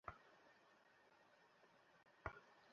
অর্জুনের দুধ নিয়ে যাই।